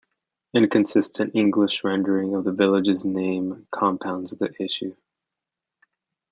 Inconsistent English rendering of the village's name compounds the issue.